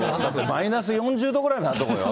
マイナス４０度ぐらいになる所よ。